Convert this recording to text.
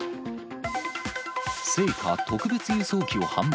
聖火特別輸送機を販売。